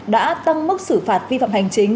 đã tăng mức xử phạt vi phạm hành chính